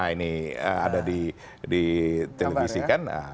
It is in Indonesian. ini ada di televisi kan